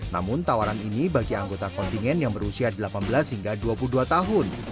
namun tawaran ini bagi anggota kontingen yang berusia delapan belas hingga dua puluh dua tahun